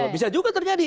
bisa juga terjadi